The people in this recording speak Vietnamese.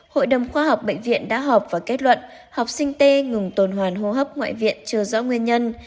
hội đồng khoa học bệnh viện đã họp và kết luận học sinh t ngừng hoàn hô hấp ngoại viện chưa rõ nguyên nhân